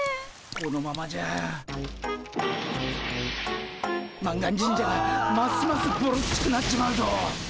このままじゃ満願神社がますますぼろっちくなっちまうぞ。